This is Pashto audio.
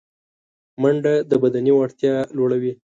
منډه د بدني وړتیا لوړوي